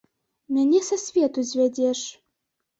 Мяне са свету звядзеш.